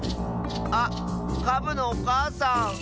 カブのおかあさん！